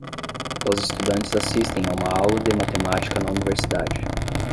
Os estudantes assistem a uma aula de matemática na universidade.